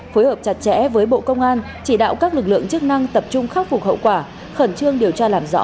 phối hợp chặt chẽ với bộ công an chỉ đạo các lực lượng chức năng tập trung khắc phục hậu quả khẩn trương điều tra làm rõ